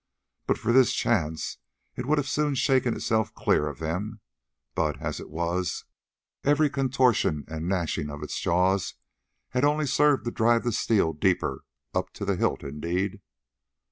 But for this chance it would have soon shaken itself clear of them; but, as it was, every contortion and gnashing of its jaws had only served to drive the steel deeper—up to the hilt, indeed.